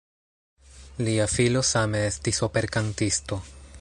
Lia filo same estis operkantisto.